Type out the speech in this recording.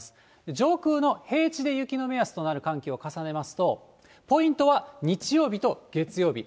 上空の平地で雪の目安となる寒気を重ねますと、ポイントは日曜日と月曜日。